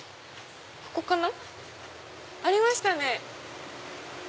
ここかな？ありましたね。